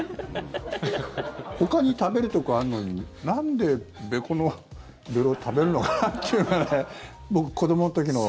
ほかに食べるとこあんのになんで、べこのべろ食べるのかなっていうのが僕、子どもの時の。